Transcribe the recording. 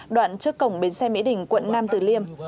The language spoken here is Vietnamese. đoạn trước cổng bến xe mỹ đình quận nam tử liêm